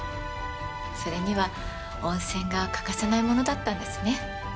それには温泉が欠かせないものだったんですね。